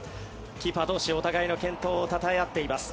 キーパー同士、お互いの健闘をたたえ合っています。